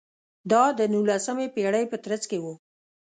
دا د نولسمې پېړۍ په ترڅ کې و.